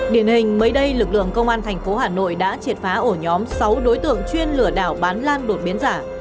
điển hình mới đây lực lượng công an thành phố hà nội đã triệt phá ổ nhóm sáu đối tượng chuyên lừa đảo bán lan đột biến giả